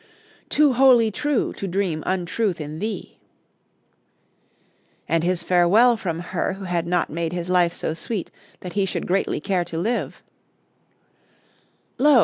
"Too wholly true to dream untruth in thee." And his farewell from her who had not made his life so sweet that he should greatly care to live, "Lo!